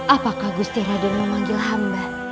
apakah gusti raden memanggil hamba